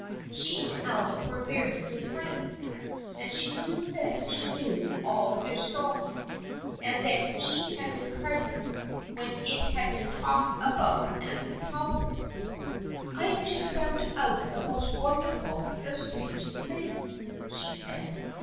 She and Alec were very good friends, and she knew that he knew all their story, and that he had been present when it had been talked about at the Talbots'. " I have just found out the most wonderful, the strangest thing," she said.